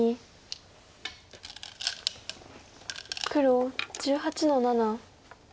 黒１８の七。